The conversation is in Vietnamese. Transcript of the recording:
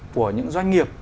của những doanh nghiệp